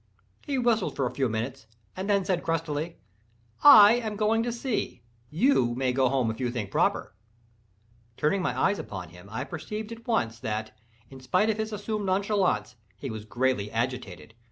He whistled for a few minutes, and then said crustily: "I am going to sea—you may go home if you think proper." Turning my eyes upon him, I perceived at once that, in spite of his assumed nonchalance, he was greatly agitated.